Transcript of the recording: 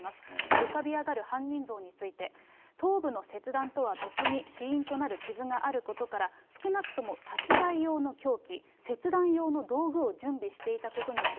浮かび上がる犯人像について、頭部の切断とは別に死因となる傷があることから、少なくとも殺害用の凶器、切断用の道具を準備していたことになる。